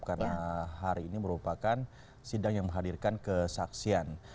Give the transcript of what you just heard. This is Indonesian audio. karena hari ini merupakan sidang yang menghadirkan kesaksian